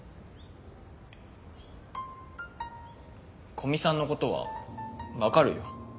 古見さんのことは分かるよ。